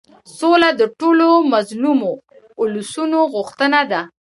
سوله د ټولو مظلومو اولسونو غوښتنه ده.